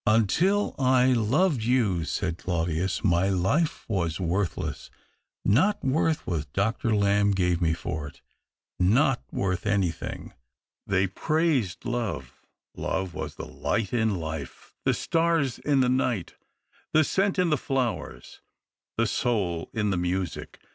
"Until I loved you," said Claudius, "my life was worthless — not worth what Dr. Lamb gave me for it — not worth anything." They praised love — love was the light in life, the stars in the night, the scent in the flowers, the soul in the music.